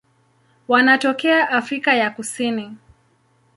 Wanatokea Afrika ya Kusini.